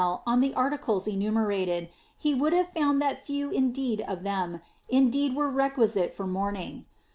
11 on the articles enumerated, he would have found that few indeed of rhem indeed were requisite for mourning.